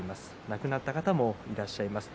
亡くなった方もいらっしゃいます。